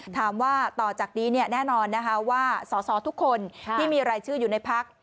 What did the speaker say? ถามว่าต่อจากนี้แน่นอนสอสรทุกคนที่มีรายชื่ออยู่ในพรรค